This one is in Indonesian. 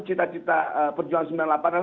cita cita perjuangan sembilan puluh delapan adalah